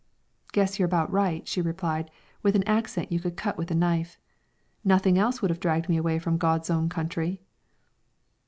"Guess you're about right," she replied, with an accent you could cut with a knife. "Nothing else would have dragged me away from God's own country!"